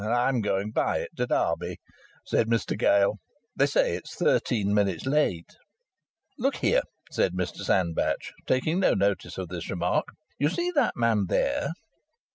"And I'm going by it to Derby," said Mr Gale. "They say it's thirteen minutes late." "Look here," said Mr Sandbach, taking no notice of this remark, "you see that man there?"